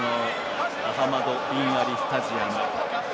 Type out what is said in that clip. アハマド・ビン・アリスタジアム。